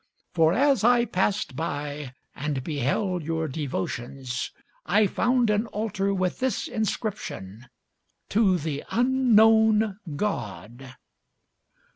For as I passed by, and beheld your devotions, I found an altar with this inscription, TO THE UNKNOWN GOD.